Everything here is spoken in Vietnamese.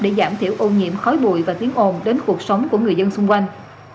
để giảm thiểu ô nhiễm khói bụi và tiếng ồn đến cuộc sống của người dân xung quanh